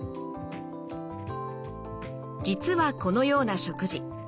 実はこのような食事